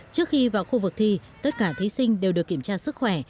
trước khi vào khu vực thi tất cả thí sinh đều được kiểm tra sức khỏe